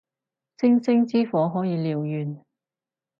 星星之火可以燎原